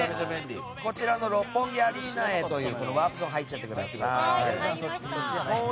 こちらの六本木アリーナへというワープゾーンに入っちゃってください。